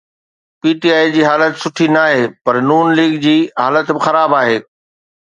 P T I جي حالت سٺي ناهي پر نون ليگ جي حالت به خراب آهي.